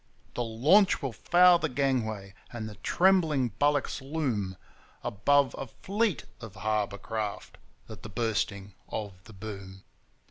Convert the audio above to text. ... The launch will foul the gangway, and the trembling bulwarks loom Above a fleet of harbour craft at the Bursting of the Boom.